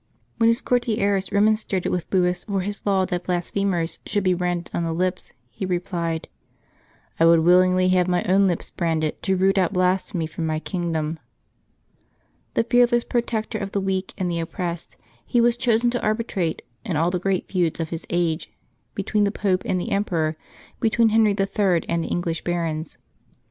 When his courtiers remonstrated with Louis for his law that blas phemers should be branded on the lips, he replied, "I would willingly have my own lips branded to root out blasphemy from my kingdom." The fearless protector of th^ weak and the oppressed, he was chosen to arbitrate in all the great feuds of his age, between the Pope and the Emperor, between Henry III. and the English barons.